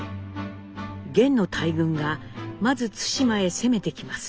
元の大軍がまず対馬へ攻めてきます。